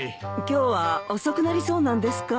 今日は遅くなりそうなんですか？